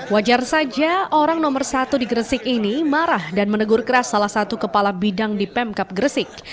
wajar saja orang nomor satu di gresik ini marah dan menegur keras salah satu kepala bidang di pemkap gresik